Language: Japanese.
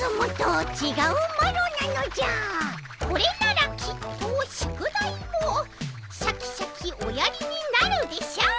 これならきっと宿題もシャキシャキおやりになるでしょう。